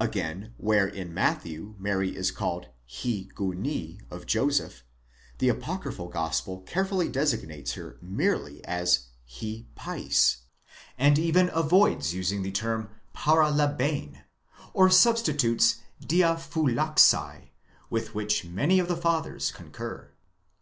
Again, where in Matthew Mary is called ἡ γυνὴ of Joseph, the apocryphal Gospel carefully designates her merely as ἡ παῖς, and even avoids using the term παραλαβεῖν or substitutes διαφυλάξαι, with which many of the Fathers concur.